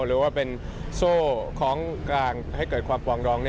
หรือว่าเป็นโซ่ของกลางให้เกิดความปลองดอง